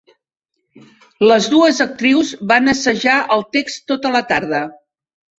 Les dues actrius van assajar el text tota la tarda.